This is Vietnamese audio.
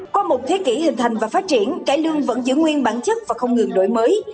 qua một thế kỷ hình thành và phát triển cải lương vẫn giữ nguyên bản chất và không ngừng đổi mới